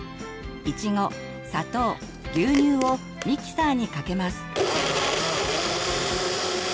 いちご砂糖牛乳をミキサーにかけます。